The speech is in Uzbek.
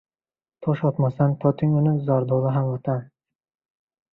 Tosh otmasdan toting uni, zardoli ham Vatan.